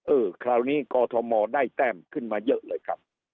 คราวนี้กอทมได้แต้มขึ้นมาเยอะเลยครับ